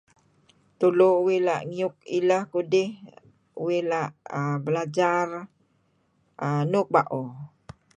Tulu uih la' ngiyuk ilah kudih uih la belajar nuuk bao.